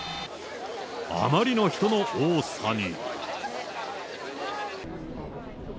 あまりの人の多さに。